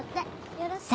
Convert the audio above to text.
よろしくね。